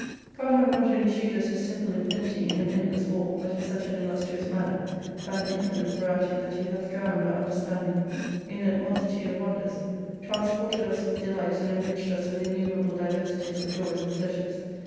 God having not only shewed us His simple infinity in an endless i wall, but in such an illustrious manner, by an infinite variety, that He hath drowned our understanding in a * There is a blank here in the original MS. 94 multitude of wonders : transported us with delights and enriched us vith innumerable diversities of joys and pleasures.